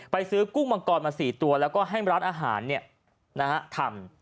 ซื้อกุ้งมังกรมา๔ตัวแล้วก็ให้ร้านอาหารทำ